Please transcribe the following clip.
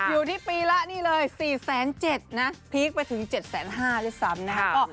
อยู่ที่ปีละนี่เลย๔๗๐๐นะพีคไปถึง๗๕๐๐ด้วยซ้ำนะครับ